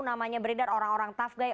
namanya beredar orang orang tough guy